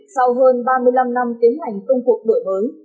sau hơn ba mươi năm năm tiến hành công cuộc đổi mới